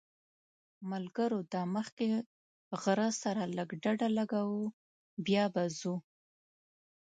ملګرو دا مخکې غره سره لږ ډډه لګوو بیا به ځو.